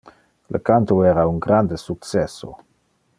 Le canto era un grande successo.